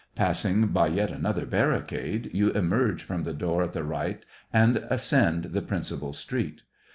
Passing by yet another barricade, you emerge from the door at the right and ascend the principal street.